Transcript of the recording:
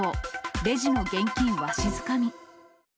レジの現金わしづかみ。